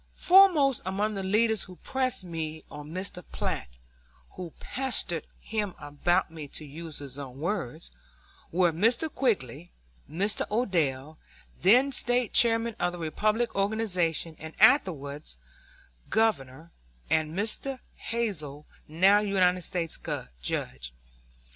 Foremost among the leaders who pressed me on Mr. Platt (who "pestered" him about me, to use his own words) were Mr. Quigg, Mr. Odell then State Chairman of the Republican organization, and afterwards Governor and Mr. Hazel, now United States Judge.